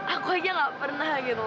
aku aja nggak pernah gitu loh